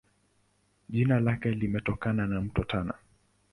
Jina lake limetokana na Mto Tana.